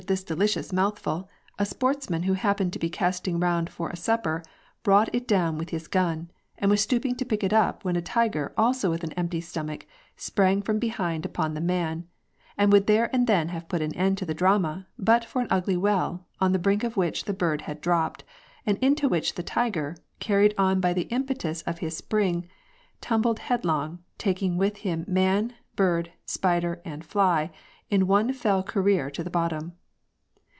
165 this delicious moutliful, a sportsman wlio happened to be casting round for a supper, brought it down with his gun, and was stooping to pick it up, when a tiger, also with an empty stomach, sprang from behind upon the man, and would there and then have put an end to the drama, but for an ugly well, on the brink of which the bird had dropped, and into which the tiger, carried on by the impetus of his spring, tumbled head long, taking with him man, bird, spider, and fly in one fell career to the bottom.